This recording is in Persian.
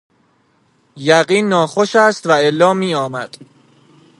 یقین ناخوش است و الا می آمد